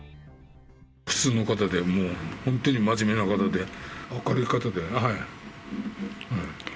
普通の方で、もう本当に真面目な方で、明るい方で。